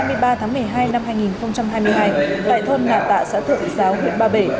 đến ngày hai mươi tháng sáu năm hai nghìn hai mươi ba tại thôn nạ tạ xã thượng giáo huyện ba bể